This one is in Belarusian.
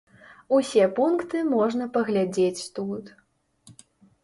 Усе пункты можна паглядзець тут.